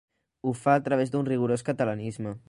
Ho fa a través d'un rigorós catalanisme.